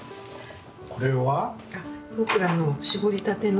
これは。